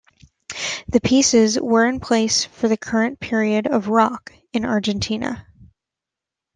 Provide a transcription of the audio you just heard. The pieces were in place for the current period of rock in Argentina.